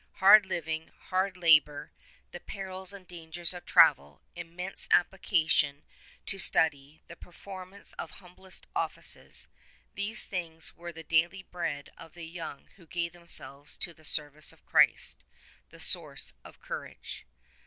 Hard living, hard labour, the perils and dangers of travel, immense application to study, the performance of the humblest offices — these things were the daily bread of the young who gave themselves to the service of Christ, the Source of Courage.